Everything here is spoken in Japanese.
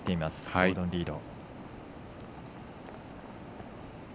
ゴードン・リード。